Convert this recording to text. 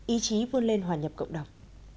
ý chí vươn lên hòa nhập cộng đồng